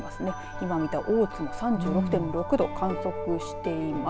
今見た大津も３６．６度観測しています。